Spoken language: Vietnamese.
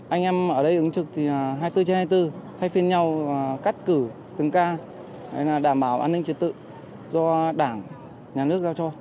anh em ở đây ứng trực thì hai mươi bốn trên hai mươi bốn thay phiên nhau và cắt cử từng ca đảm bảo an ninh trật tự do đảng nhà nước giao cho